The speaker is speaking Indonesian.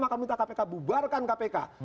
yang akan minta kpk bubarkan kpk